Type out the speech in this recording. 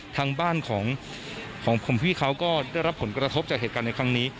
ทางบ้านของผมพี่เขาก็ได้รับผลกระทบจากเหตุการณ์ในครั้งนี้